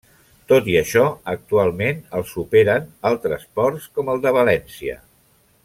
Tot i això actualment el superen altres ports, com el de València.